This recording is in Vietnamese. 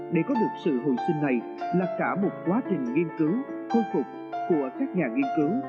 để có được sự hồi sinh này là cả một quá trình nghiên cứu khôi phục của các nhà nghiên cứu